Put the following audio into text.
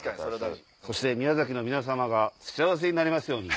そして宮崎の皆さまが幸せになりますように。